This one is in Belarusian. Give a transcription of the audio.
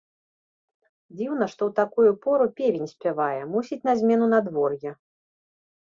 Дзіўна, што ў такую пору певень спявае, мусіць, на змену надвор'я.